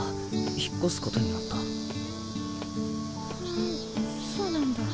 ふんそうなんだ。